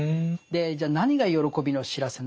じゃあ何が喜びの知らせなのか。